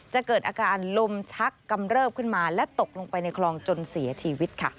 จะเกิดอาการลมชักกำเริบขึ้นมาและตกลงไปในคลองจนเสียชีวิตค่ะ